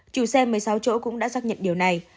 chủ xe một mươi sáu chỗ cũng đã xác nhận điều này